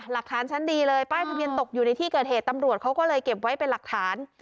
หลักฐานชั้นดีเลยป้ายทะเบียนตกอยู่ในที่เกิดเหตุตำรวจเขาก็เลยเก็บไว้เป็นหลักฐาน